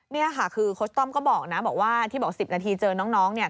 นี่ค่ะคือโคชต้อมก็บอกนะบอกว่าที่บอก๑๐นาทีเจอน้องเนี่ย